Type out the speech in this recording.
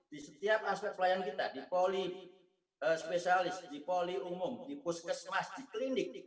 di setiap aspek pelayan kita di poli spesialis di poli umum di puskesmas di klinik